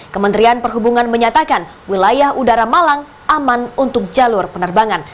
kementerian perhubungan menyatakan wilayah udara malang aman untuk jalur penerbangan